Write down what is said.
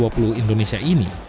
g dua puluh indonesia ini